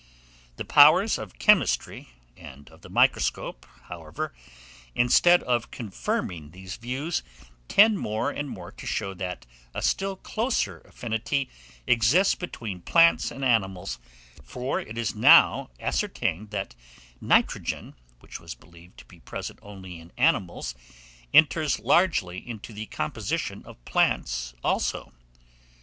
The powers of chemistry, and of the microscope, however, instead of confirming these views, tend more and more to show that a still closer affinity exists between plants and animals; for it is now ascertained that nitrogen, which was believed to be present only in animals, enters largely into the composition of plants also.